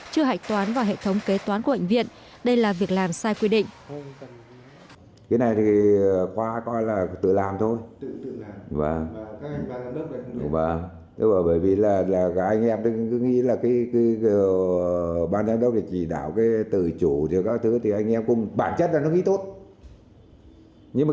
chưa hạch toán vào hệ thống kế toán của bệnh viện đây là việc làm sai quy định